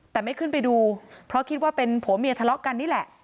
แต่ไม่ขึ้นไปดูเพราะคิดว่าเป็นผัวเมียทะเลาะกันนี่แหละ